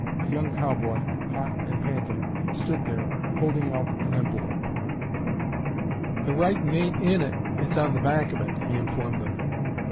A young cowboy, hot and panting, stood there holding out an envelope. "The writin' ain't in it, it's on the back of it," he informed them.